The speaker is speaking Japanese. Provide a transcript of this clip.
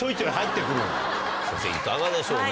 先生いかがでしょうね？